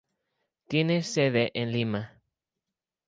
Tiene sede en Lima.